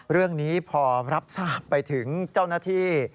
เรื่องนี้พอรับทราบไปถึงเจ้าหน้าที่